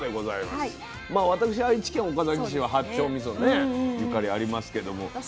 まあ私愛知県岡崎市は八丁みそねゆかりありますけども。